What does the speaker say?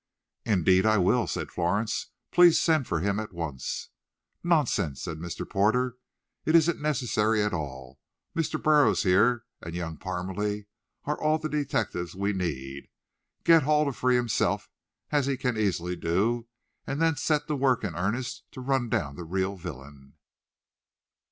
"Indeed I will," said Florence. "Please send for him at once." "Nonsense!" said Mr. Porter. "It isn't necessary at all. Mr. Burroughs here, and young Parmalee, are all the detectives we need. Get Hall to free himself, as he can easily do, and then set to work in earnest to run down the real villain."